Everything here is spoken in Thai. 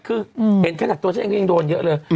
คือเห็นขนาดตัวฉันเองก็ยังโดนเยอะเลย